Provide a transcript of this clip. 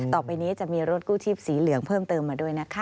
ต่อไปนี้จะมีรถกู้ชีพสีเหลืองเพิ่มเติมมาด้วยนะคะ